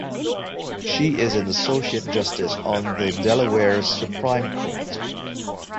She is an Associate Justice on the Delaware Supreme Court.